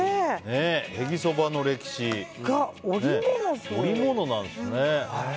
へぎそばの歴史織物なんですね。